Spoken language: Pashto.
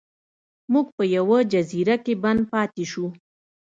موږ په یوه جزیره کې بند پاتې شو.